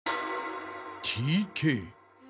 Ｔ．Ｋ。